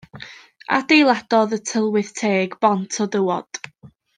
Adeiladodd y tylwyth teg bont o dywod.